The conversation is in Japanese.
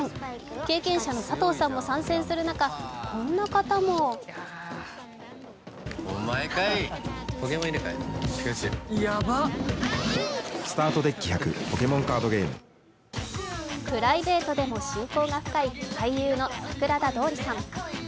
経験者の佐藤さんも参戦する中、こんな方もプライベートでも親交の深い、俳優の桜田通さん。